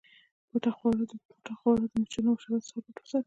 پاته خواړه د مچانو او حشراتو څخه پټ وساتئ.